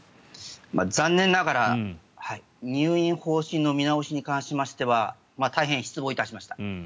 残念ながら入院方針の見直しに関しては大変失望いたしました。